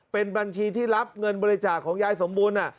เป็นบัญชีที่รับเงินบริจาคของยายสมบูรณ์